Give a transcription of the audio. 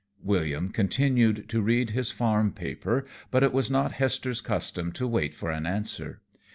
William continued to read his farm paper, but it was not Hester's custom to wait for an answer.